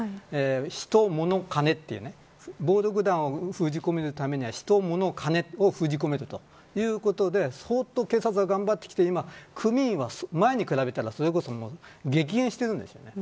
人、物、金という暴力団を封じ込めるためには人、物、金を封じ込めるということで、相当、警察は頑張ってきて今組員は前に比べたら激減しているんです。